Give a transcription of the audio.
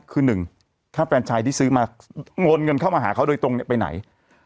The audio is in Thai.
คือหนึ่งถ้าแฟนชายที่ซื้อมาโอนเงินเข้ามาหาเขาโดยตรงไปไหน